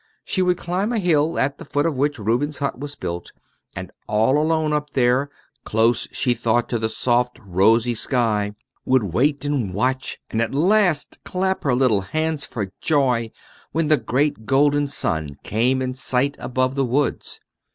She would climb a hill, at the foot of which Reuben's hut was built, and all alone up there, close, she thought, to the soft, rosy sky, would wait and watch, and at last clap her little hands for joy when the great golden sun came in sight above the woods.